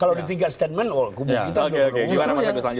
kalau ditingkatkan statement gubu kita sudah berulang ulang